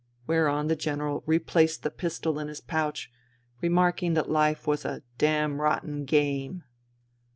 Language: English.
Whereon the General replaced the pistol in his pouch, remarking that life was a " damrotten game.'